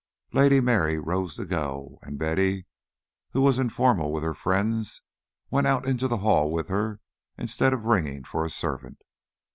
Lady Mary rose to go; and Betty, who was informal with her friends, went out into the hall with her instead of ringing for a servant.